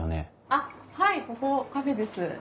あっはいここカフェです。